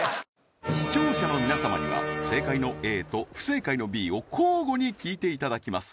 視聴者の皆様には正解のＡと不正解のＢを交互に聴いていただきます